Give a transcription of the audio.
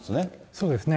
そうですね。